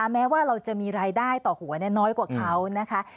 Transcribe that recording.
แม้ว่าเราจะมีรายได้ต่อหัวน้อยกว่าเขานะคะ